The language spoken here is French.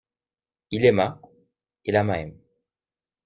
Il aima, et la même.